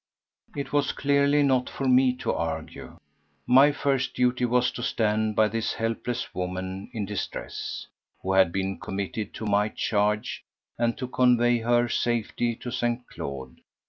It was clearly not for me to argue. My first duty was to stand by this helpless woman in distress, who had been committed to my charge, and to convey her safely to St. Claude.